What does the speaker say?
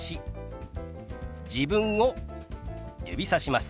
自分を指さします。